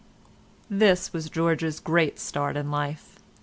This was George's great start in life.